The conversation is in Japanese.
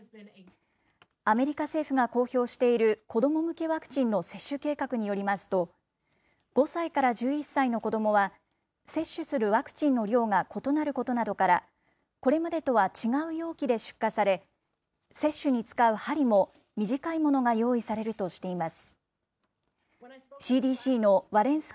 アメリカ政府が公表している子ども向けワクチンの接種計画によりますと、５歳から１１歳の子どもは、接種するワクチンの量が異なることなどから、これまでとは違う容器で出荷され、接種に使う針も短いものが用意されるとしています。